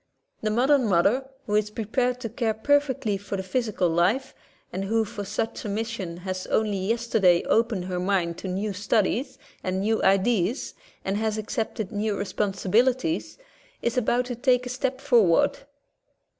The modern mother who is prepared to care perfectly for the physical life, and who for such a mission has only yesterday opened her mind to new studies and new ideas and has accepted new responsibilities, is about to take a step for ward.